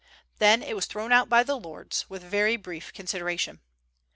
Then it was thrown out by the Lords, with very brief consideration.